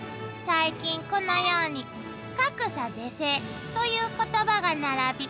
「最近このように」「格差是正という言葉が並び」